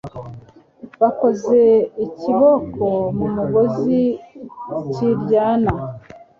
Bakoze ikiboko mu mugozi ki ryana